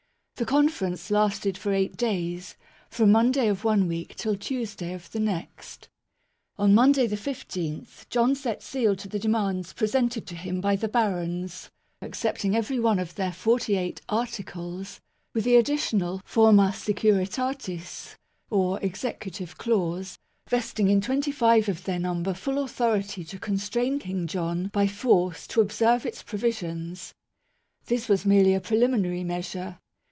The conference lasted for eight days, from Monday of one week till Tuesday of the next. On Monday the i5th, John set seal to the demands presented to him by the barons, accepting every one of their forty eight "Articles," with the additional " Forma Securitatis " or executive clause, vesting in twenty five of their number full authority to constrain King John by force to observe its provisions. This was merely a preliminary measure.